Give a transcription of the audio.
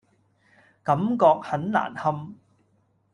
感覺很難堪